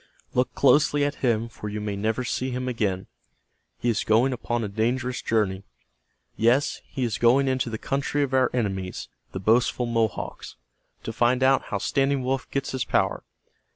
"Look closely at him for you may never see him again. He is going upon a dangerous journey, Yes, he is going into the country of our enemies, the boastful Mohawks, to find out how Standing Wolf gets his power.